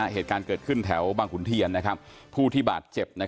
เหตุการณ์เกิดขึ้นแถวบางขุนเทียนผู้ที่บาดเจ็บ